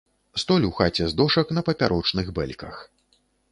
Столь у хаце з дошак на папярочных бэльках.